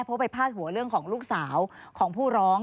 เพราะไปพาดหัวเรื่องของลูกสาวของผู้ร้อง